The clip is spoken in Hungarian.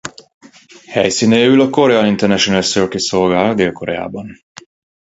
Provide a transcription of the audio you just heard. Helyszínéül a Korean International Circuit szolgál Dél-Koreában.